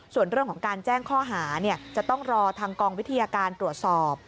ส่วนเรื่องของการแจ้งข้อหาจะต้องรอทางกองวิทยาการตรวจสอบ